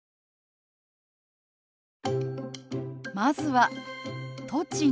まずは「栃木」。